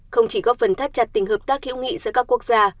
không chỉ góp phần thắt chặt tình hợp tác hữu nghị giữa các quốc gia